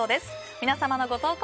皆様のご投稿